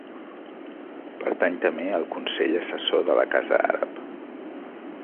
Pertany també al Consell Assessor de la Casa Àrab.